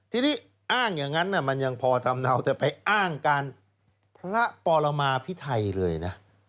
ทีนี้อ้างอย่างนั้นมันยังพอทำเนาแต่ไปอ้างการพระปรมาพิไทยเลยนะ